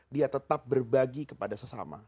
dia tetap berbagi kepada sesama